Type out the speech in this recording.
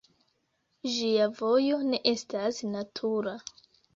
Ĝia vojo ne estas natura.